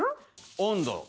温度。